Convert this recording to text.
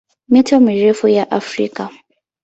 Mito mirefu ya Afrika